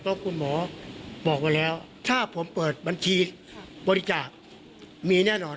เขาพูดมาแล้วว่าอย่าสร้างเข้าเสีย